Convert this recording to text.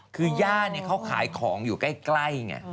คือย่าเขาขายของอยู่ใกล้ไง